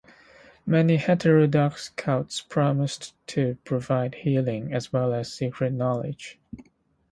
Many heterodox cults promised to provide healing as well as secret knowledge.